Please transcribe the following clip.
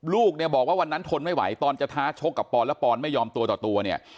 ลูกเนี่ยบอกว่าวันนั้นทนไม่ไหวตอนจะท้าชกกับปอนแล้วปอนไม่ยอมตัวต่อตัวเนี่ย